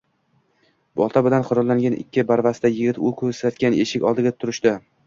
Bolta bilan qurollangan ikki barvasta yigit u ko`rsatgan eshik oldiga turishdi